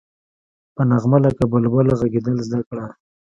په نغمه لکه بلبل غږېدل زده کړه.